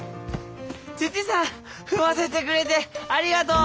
土さん踏ませてくれてありがとう！